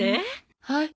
はい？